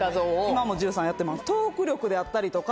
今も１３やってます。